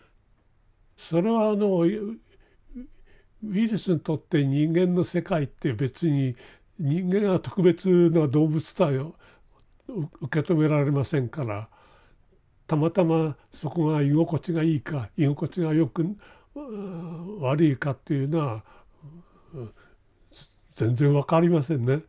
それはあのウイルスにとって人間の世界って別に人間が特別な動物とは受け止められませんからたまたまそこが居心地がいいか居心地がよく悪いかっていうのは全然分かりませんね。